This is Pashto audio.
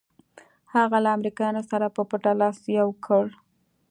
هغه له امریکایانو سره په پټه لاس یو کړ.